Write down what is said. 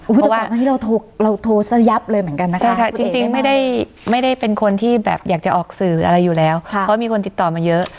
เพราะว่าเราโทรซะยับเลยเหมือนกันนะคะจริงจริงไม่ได้ไม่ได้เป็นคนที่แบบอยากจะออกสื่ออะไรอยู่แล้วค่ะเพราะมีคนติดต่อมาเยอะ